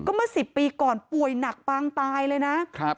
เมื่อ๑๐ปีก่อนป่วยหนักปางตายเลยนะครับ